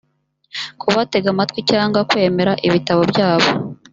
kubatega amatwi cyangwa kwemera ibitabo byabo